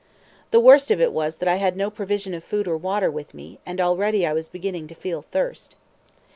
The worst of it was that I had no provision of food or water with me, and already I was beginning to feel thirst.